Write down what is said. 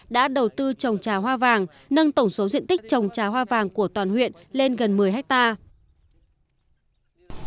đã đầu tư trồng trà hoa vàng nâng tổng số diện tích trồng trà hoa vàng của toàn huyện lên gần một mươi hectare